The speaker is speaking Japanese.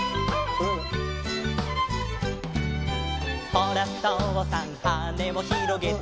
「ほらとうさんはねをひろげて」